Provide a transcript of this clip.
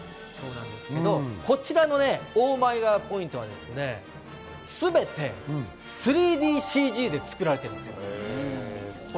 こちらのオーマイガーポイントは全て３ＤＣＧで作られてるんですよ。